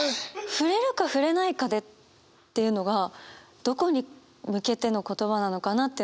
「触れるか触れないかで」っていうのがどこに向けての言葉なのかなって。